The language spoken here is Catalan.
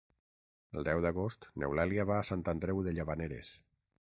El deu d'agost n'Eulàlia va a Sant Andreu de Llavaneres.